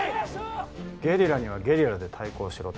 ゲリラにはゲリラで対抗しろと？